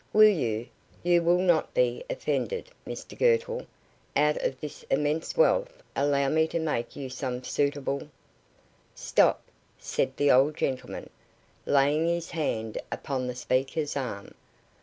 Will you you will not be offended, Mr Girtle out of this immense wealth allow me to make you some suitable " "Stop," said the old gentleman, laying his hand upon the speaker's arm.